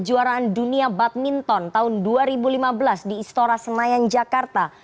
kejuaraan dunia badminton tahun dua ribu lima belas di istora senayan jakarta